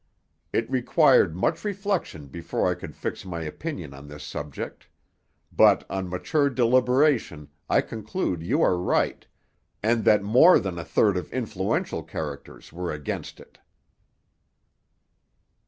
It required much reflection before I could fix my opinion on this subject; but on mature deliberation I conclude you are right, and that more than a third of influential characters were against it.'